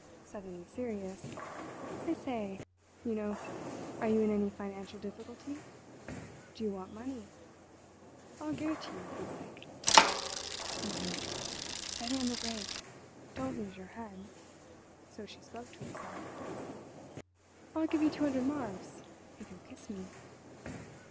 Suddenly serious: "I say—you know, are you in any financial difficulty? Do you want money? I'll give it to you if you like!" "Money! Steady on the brake—don't lose your head!"—so she spoke to herself. "I'll give you two hundred marks if you'll kiss me."